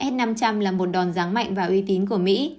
s năm trăm linh là một đòn ráng mạnh và uy tín của mỹ